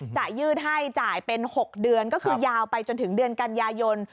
ยืดให้จ่ายเป็น๖เดือนก็คือยาวไปจนถึงเดือนกันยายน